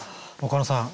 岡野さん